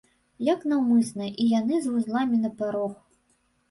Як наўмысна, і яны з вузламі на парог.